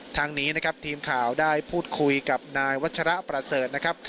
ทางนี้นะครับทีมข่าวได้พูดคุยกับนายวัชระประเสริฐนะครับ